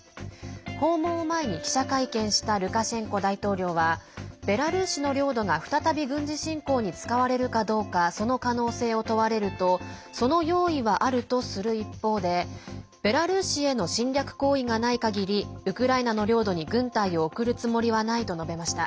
訪問を前に記者会見したルカシェンコ大統領はベラルーシの領土が再び軍事侵攻に使われるかどうかその可能性を問われるとその用意はあるとする一方でベラルーシへの侵略行為がないかぎりウクライナの領土に軍隊を送るつもりはないと述べました。